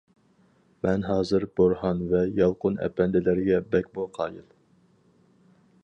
مەن زاھىر بورھان ۋە يالقۇن ئەپەندىلەرگە بەكمۇ قايىل.